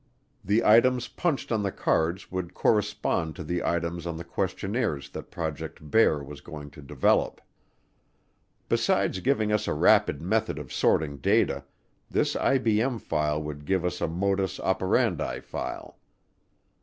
The items punched on the cards would correspond to the items on the questionnaires that Project Bear was going to develop. Besides giving us a rapid method of sorting data, this IBM file would give us a modus operandi file.